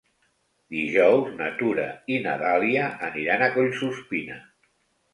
Dijous na Tura i na Dàlia aniran a Collsuspina.